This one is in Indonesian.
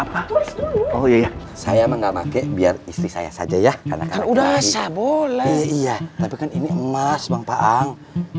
apa apa oh ya saya mengamati biar istri saya saja ya udah boleh iya tapi kan ini emas bangpaang